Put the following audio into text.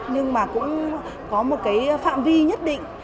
nhưng mà cũng có một phạm vi nhất định